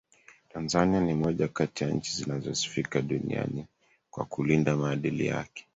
Tanzania ni moja kati ya nchi zinazosifika duniani kwa kulinda maadili yake